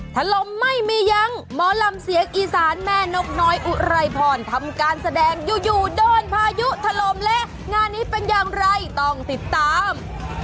ถล่มไม่มียังหมอลำเสียงอีสานแม่นกน้อยอุไรพรทำการแสดงอยู่โดนพายุถล่มและงานนี้เป็นอย่างไรต้องติดตาม